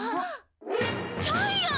ジャイアン！